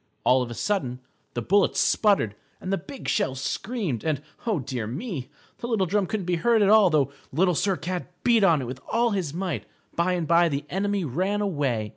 All of a sudden the bullets sputtered and the big shells screamed, and, oh, dear me, the little drum couldn't be heard at all, although Little Sir Cat beat on it with all his might. By and by the enemy ran away.